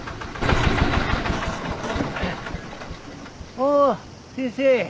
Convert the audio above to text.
・おー先生。